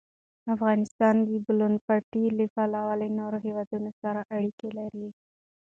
افغانستان د د بولان پټي له پلوه له نورو هېوادونو سره اړیکې لري.